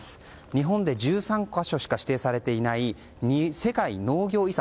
日本で１３か所しか指定されていない世界農業遺産。